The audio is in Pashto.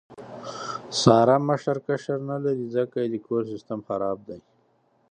ساره مشر کشر نه لري، ځکه یې د کور سیستم خراب دی.